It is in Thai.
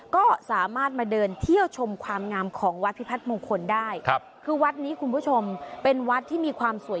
ก็สามารถมาเดินเที่ยวชมความงามของวัดพิพัฒนมงคลได้